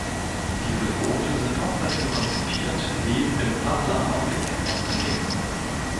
Diese Boote sind oft dafür konzipiert neben dem Paddler auch Gepäck aufzunehmen.